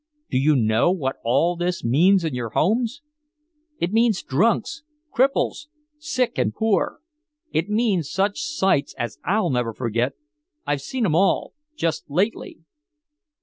Do you know what all this means in your homes? It means drunks, cripples, sick and poor! It means such sights as I'll never forget. I've seen 'em all just lately!